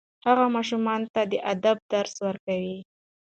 هغه ماشومانو ته د ادب درس ورکوي.